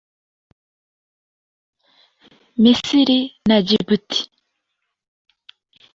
Misiri na Djibouti